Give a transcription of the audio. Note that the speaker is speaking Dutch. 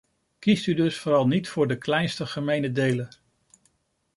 Kiest u dus vooral niet voor de kleinste gemene deler.